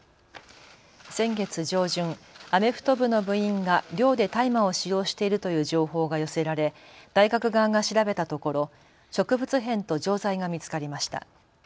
先月上旬、アメフト部の部員が寮で大麻を使用しているという情報が寄せられ大学側が調べたところ植物片と錠剤が見つかりました。